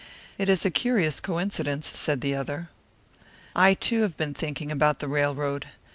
"It is a curious coincidence," said the other. "I, too, have been thinking about the railroad.